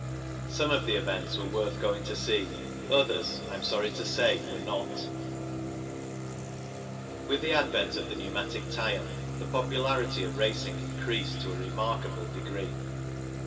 Some of the events were worth going to see, others, I am sorry to say, were not. With the advent of the pneumatic tyre the popularity THE TRADE AND RACING 69 of racing increased to a remarkable degree.